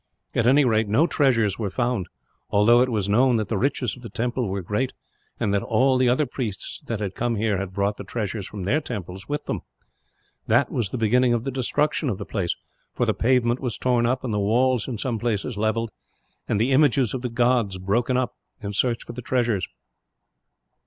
At any rate, no treasures were found; although it was known that the riches of the temple were great, and that all the other priests that had come here had brought the treasures from their temples with them. That was the beginning of the destruction of the place; for the pavement was torn up, and the walls in some places levelled, and the images of the gods broken up in search for the treasures.